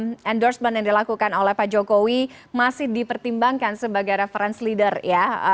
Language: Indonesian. jadi endorsement yang dilakukan oleh pak jokowi masih dipertimbangkan sebagai reference leader ya